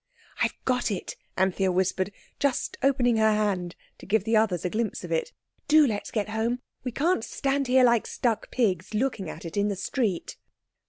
"I've got it," Anthea whispered, just opening her hand to give the others a glimpse of it. "Do let's get home. We can't stand here like stuck pigs looking at it in the street."